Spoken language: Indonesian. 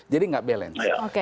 jadi nggak balance